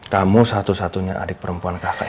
kamu satu satunya adik perempuan kakak